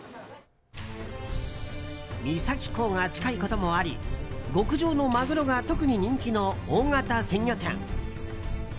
三崎港が近いこともあり極上のマグロが特に人気の大型鮮魚店。